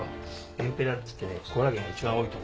エンペラっていってコラーゲンが一番多い所。